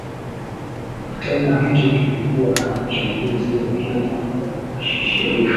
kitabu hicho kilikuwa na uchambuzi wa kina wa kisheria